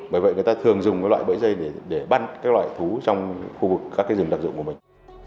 bởi vậy người ta thường dùng loại bẫy dây để băn các loại thú trong khu vực các rừng đặc dụng của mình